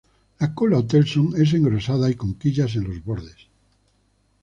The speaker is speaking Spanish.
La cola o telson es engrosada y con quillas en los bordes.